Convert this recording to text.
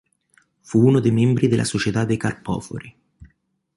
Fu uno dei membri della Società dei Carpofori.